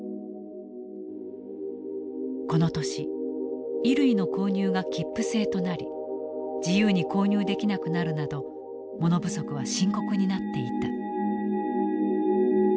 この年衣類の購入が切符制となり自由に購入できなくなるなど物不足は深刻になっていた。